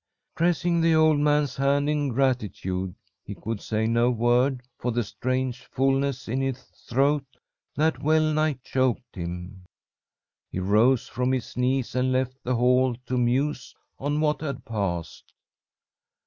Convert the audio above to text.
"Pressing the old man's hand in gratitude (he could say no word for the strange fulness in his throat that well nigh choked him), he rose from his knees and left the hall to muse on what had passed.